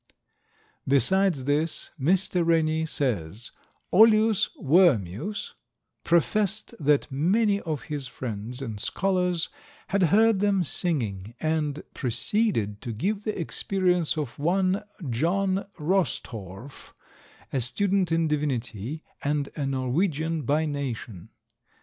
Besides this, Mr. Rennie says, Olius Wormius professed that many of his friends and scholars had heard them singing, and proceeded to give the experience of one John Rostorph, a student in divinity, and a Norwegian by nation.